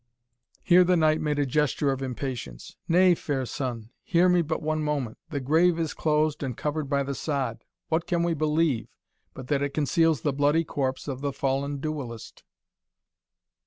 Here the knight made a gesture of impatience. "Nay, fair son, hear me but one moment the grave is closed and covered by the sod what can we believe, but that it conceals the bloody corpse of the fallen duellist?"